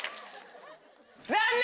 残念！